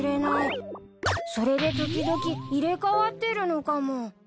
それで時々入れ替わってるのかも。